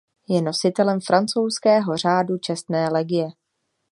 Je nositelem francouzského Řádu čestné legie.